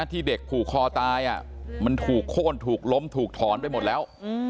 ที่เด็กผูกคอตายมันถูกโค้นถูกล้มถูกถอนไปหมดแล้ว